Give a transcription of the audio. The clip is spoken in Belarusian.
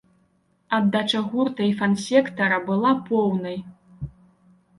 Аддача гурта і фан-сектара была поўнай.